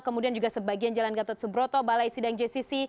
kemudian juga sebagian jalan gatot subroto balai sidang jcc